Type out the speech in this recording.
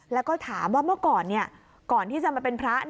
แล้วก็ถามว่าเมื่อก่อนก่อนที่จะมาเป็นพระ